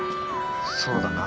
そうだな。